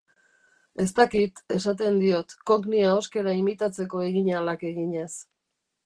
Ez dakit, esaten diot, cockney ahoskera imitatzeko eginahalak eginez.